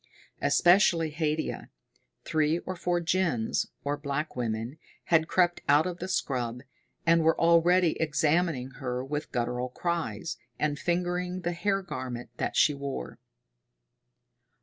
Especially Haidia. Three or four gins, or black women, had crept out of the scrub, and were already examining her with guttural cries, and fingering the hair garment that she wore.